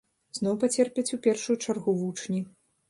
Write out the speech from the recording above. Зноў пацерпяць у першую чаргу вучні.